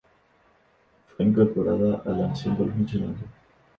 Fue incorporada a los símbolos nacionales.